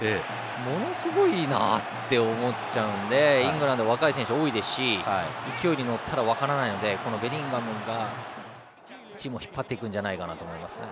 ものすごいなって思っちゃうのでイングランドは若い選手多いですし勢いに乗ったら分からないのでベリンガムがチームを引っ張っていくんじゃないかなと思いますね。